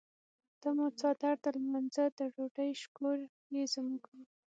ته مو څادر د لمانځۀ د ډوډۍ شکور یې زموږ.